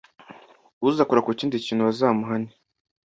uzakora ku kindi kintu bazamuhane.